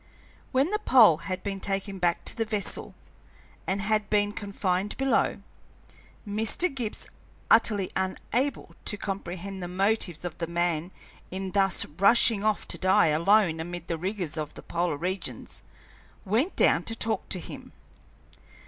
When the Pole had been taken back to the vessel, and had been confined below, Mr. Gibbs, utterly unable to comprehend the motives of the man in thus rushing off to die alone amid the rigors of the polar regions, went down to talk to him.